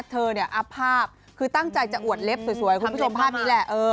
เธอเนี่ยอัพภาพคือตั้งใจจะอวดเล็บสวยคุณผู้ชมภาพนี้แหละ